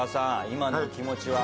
今のお気持ちは？